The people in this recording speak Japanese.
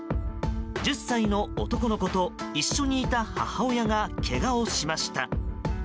１０歳の男の子と一緒にいた母親がけがをしました。